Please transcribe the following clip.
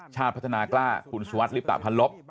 ชาติพัฒนากล้าคุณสุวัสดิลิปตะพันลบ